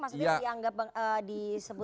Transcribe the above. maksudnya dianggap disebut